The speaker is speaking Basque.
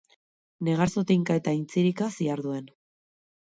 Negar zotinka eta intzirika ziharduen.